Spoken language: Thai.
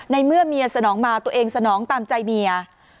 ในเมื่อเมียสนองมาตัวเองสนองตามใจเมีย